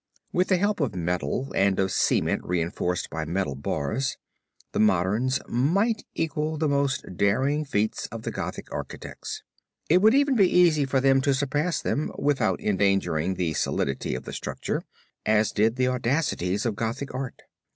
With the help of metal, and of cement reinforced by metal bars, the moderns might equal the most daring feats of the Gothic architects. It would even be easy for them to surpass them, without endangering the solidity of the structure, as did the audacities of Gothic art.